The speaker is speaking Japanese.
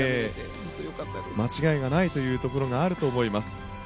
間違いがないというところがあると思います。